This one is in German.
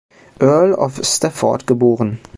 Earl of Stafford geboren.